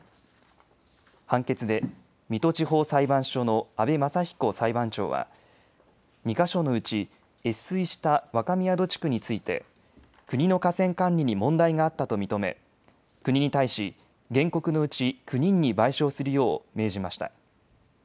判決で水戸地方裁判所の阿部雅彦裁判長は２か所のうち越水した若宮戸地区について国の河川管理に問題があったと認め国に対し原告のうち９人に賠償するよう命じました。